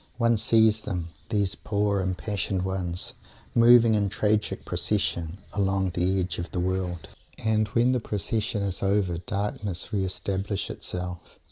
One sees them, these poor impassioned ones, moving in tragic procession along the edge of the world, and, when the procession is over, darkness re establishes itself.